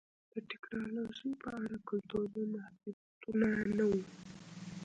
د ټکنالوژۍ په اړه کلتوري محدودیتونه نه وو